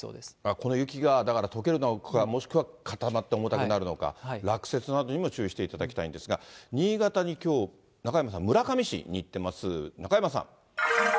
この雪がだから、とけるのかもしくは固まって重たくなるのか、落雪などにも注意をしていただきたいんですが、新潟にきょう、中山さん、村上市に行っています。